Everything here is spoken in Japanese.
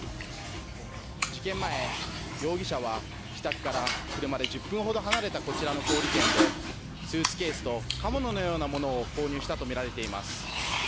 事件前、容疑者は自宅から車で１０分ほど離れたこちらの小売店で、スーツケースと刃物のようなものを購入したとみられています。